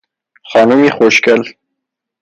خانمی خوشگل